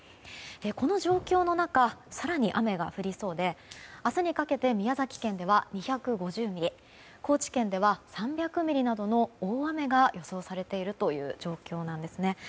この状況の中更に雨は降りそうで明日にかけて宮崎県では２５０ミリ高知県では３００ミリなどの大雨が予想されている状況なんです。